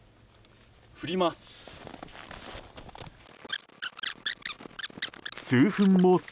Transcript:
降ります。